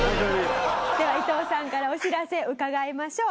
では伊藤さんからお知らせ伺いましょう。